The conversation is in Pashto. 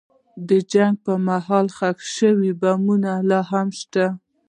د جنګ پر مهال ښخ شوي بمونه لا هم شته.